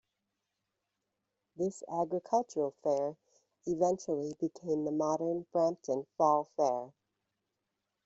This agricultural fair eventually became the modern Brampton Fall Fair.